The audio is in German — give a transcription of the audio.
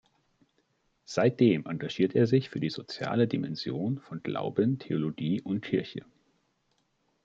Seitdem engagiert er sich für die "soziale Dimension von Glauben, Theologie und Kirche".